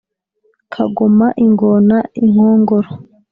kagoma, ingona, inkongoro